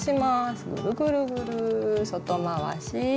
ぐるぐるぐる外回し。